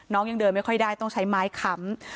ยังเดินไม่ค่อยได้ต้องใช้ไม้ค้ำ